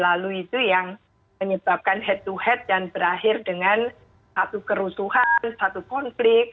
kalau pemilu yang lalu lalu itu yang menyebabkan head to head dan berakhir dengan satu kerusuhan satu konflik